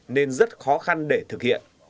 nên rất khó khăn để thực hiện